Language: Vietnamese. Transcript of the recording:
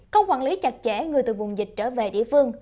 không quản lý chặt chẽ người từ vùng dịch trở về địa phương